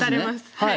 はい。